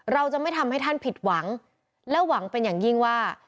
เราจะไม่ทำให้ท่านผิดหวังและหวังเป็นอย่างยิ่งว่า